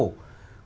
quy định chi tiết